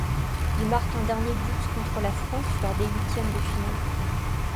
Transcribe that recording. Il marque un dernier but contre la France lors des huitièmes de finale.